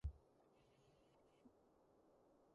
聽唔到呀，可唔可以大聲啲